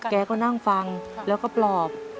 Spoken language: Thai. แกก็นั่งฟังแล้วก็ปลอบ